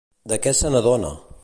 De què se n'adona?